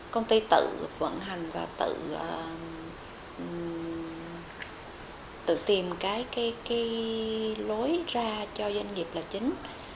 công ty tự vận hành và tự tìm cái lối ra cho doanh nghiệp là chính